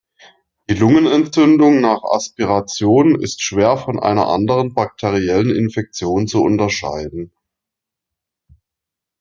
Die Lungenentzündung nach Aspiration ist schwer von einer anderen bakteriellen Infektion zu unterscheiden.